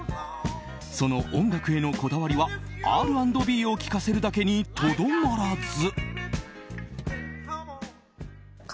その音楽へのこだわりはＲ＆Ｂを聴かせるだけにとどまらず。